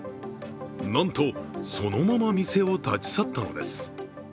なんと、そのまま店を立ち去ったのです。